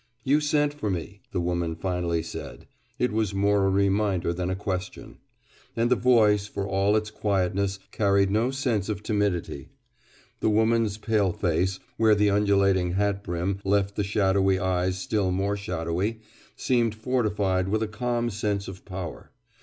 "You sent for me," the woman finally said. It was more a reminder than a question. And the voice, for all its quietness, carried no sense of timidity. The woman's pale face, where the undulating hat brim left the shadowy eyes still more shadowy, seemed fortified with a calm sense of power.